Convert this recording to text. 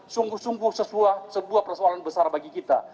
sungguh sungguh sebuah persoalan besar bagi kita